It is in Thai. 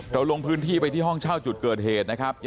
ลงพื้นที่ไปที่ห้องเช่าจุดเกิดเหตุนะครับ